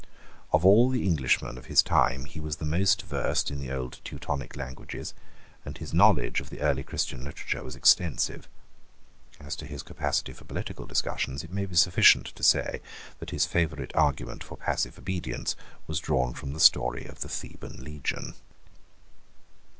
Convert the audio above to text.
Of all the Englishmen of his time he was the most versed in the old Teutonic languages; and his knowledge of the early Christian literature was extensive. As to his capacity for political discussions, it may be sufficient to say that his favourite argument for passive obedience was drawn from the story of the Theban legion.